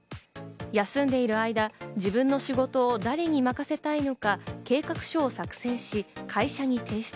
休んでいる間、自分の仕事を誰に任せたいのか計画書を作成し、会社に提出。